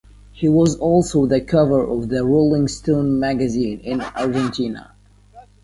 He was also the cover of the Rolling Stone magazine in Argentina.